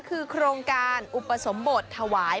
คือโครงการอุปสมบทถวาย